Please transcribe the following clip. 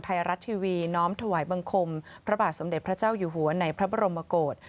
ไทยรัฐทีวีน้อมถวายบังคมพระบาทสมเด็จพระเจ้าอยู่หัวในพระบรมโกศ